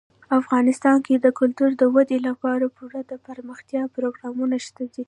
افغانستان کې د کلتور د ودې لپاره پوره دپرمختیا پروګرامونه شته دي.